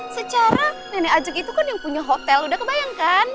secara nenek ajuk itu kan yang punya hotel udah kebayang kan